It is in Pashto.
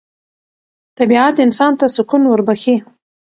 طبیعت انسان ته سکون وربخښي